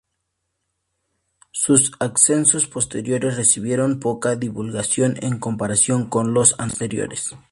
Sus ascensos posteriores recibieron poca divulgación en comparación con los anteriores.